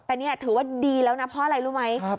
แต่นี่ถือว่าดีแล้วนะเพราะอะไรรู้ไหม